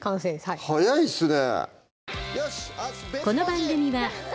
早いっすね